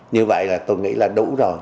như vậy là tôi nghĩ là đủ rồi